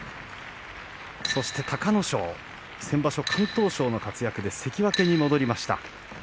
そして隆の勝先場所、敢闘賞の活躍で関脇に戻りました。